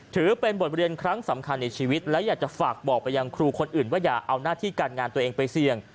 ถือเป็นบทเรียนครั้งสำคัญในชีวิตและอยากจะฝากบอกไปยังครูคนอื่นว่าอย่าเอาหน้าที่การงานตัวเองไปเสี่ยง